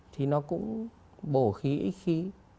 thì nó cũng bổ khí ít khí